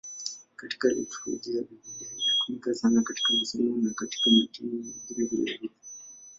Katika liturujia hiyo Biblia inatumika sana katika masomo na katika matini mengine vilevile.